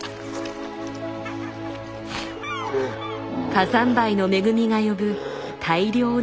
火山灰の恵みが呼ぶ大量のサケ。